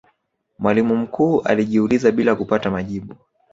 mwalimu mkuu alijiuliza bila kupata majibu